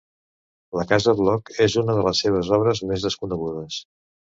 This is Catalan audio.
La Casa Bloc és una de les seves obres més desconegudes.